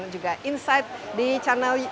juga insight di channel